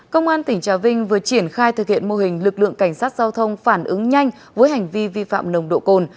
công an tỉnh trà vinh vừa triển khai thực hiện mô hình lực lượng cảnh sát giao thông phản ứng nhanh với hành vi vi phạm nồng độ cồn